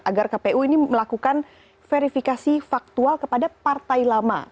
agar kpu ini melakukan verifikasi faktual kepada partai lama